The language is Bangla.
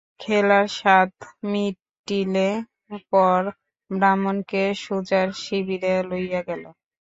খেলার সাধ মিটিলে পর ব্রাহ্মণকে সুজার শিবিরে লইয়া গেল।